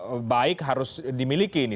yang baik harus dimiliki ini